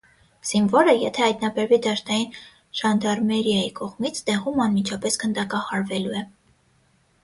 Զինվորը, եթե հայտնաբերվի դաշտային ժանդարմերիայի կողմից, տեղում անմիջապես գնդակահարվելու է։